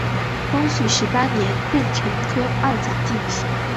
光绪十八年壬辰科二甲进士。